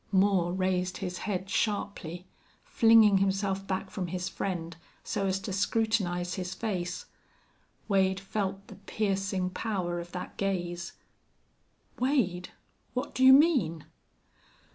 Moore raised his head sharply, flinging himself back from his friend so as to scrutinize his face. Wade felt the piercing power of that gaze. "Wade, what do you mean?"